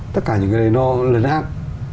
tất cả những cái đấy nó lấn áp